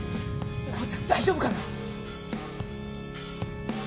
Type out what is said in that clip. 直ちゃん大丈夫かな？